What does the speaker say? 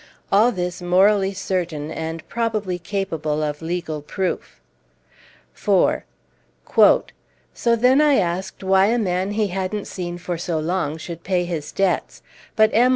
All this morally certain and probably capable of legal proof. 4. "So then I asked why a man he hadn't seen for so long should pay his debts; but M.